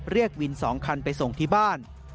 เรียกวิน๒คันไปส่งที่บ้าน